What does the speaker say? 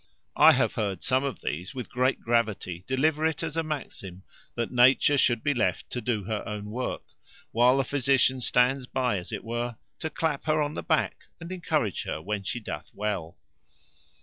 I have heard some of these, with great gravity, deliver it as a maxim, "That Nature should be left to do her own work, while the physician stands by as it were to clap her on the back, and encourage her when she doth well."